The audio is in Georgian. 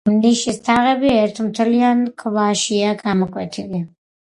ნიშის თაღები ერთ მთლიან ქვაშია გამოკვეთილი.